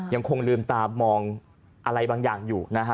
ยังคงลืมตามองอะไรบางอย่างอยู่นะฮะ